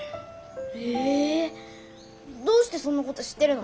えどうしてそんなこと知ってるの？